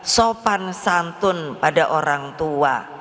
sopan santun pada orang tua